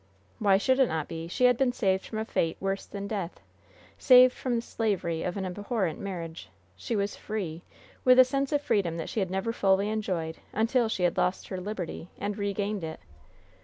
Why should it not be? She had been saved from a fate worse than death saved from the slavery of an abhorrent marriage, she was free with a sense of freedom that she had never fully enjoyed until she had lost her liberty and regained it.